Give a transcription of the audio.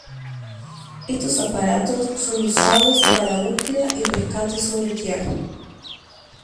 Estos aparatos son usados para búsqueda y rescate sobre tierra.